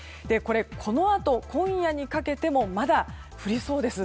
このあと、今夜にかけてもまだ降りそうです。